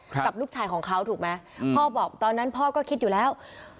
กับลูกชายของเขาถูกไหมพ่อบอกตอนนั้นพ่อก็คิดอยู่แล้ว